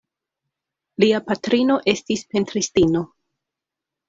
Lia patrino estis pentristino.